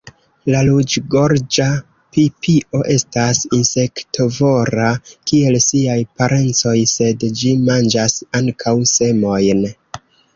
La Ruĝgorĝa pipio estas insektovora, kiel siaj parencoj, sed ĝi manĝas ankaŭ semojn.